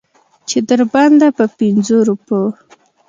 چې تر بنده په پنځو روپو.